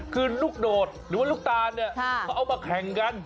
คือลูกโดดหรือว่าลูกตาลเนี่ยเขาเอามาแข่งกัน